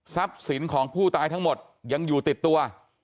สินของผู้ตายทั้งหมดยังอยู่ติดตัว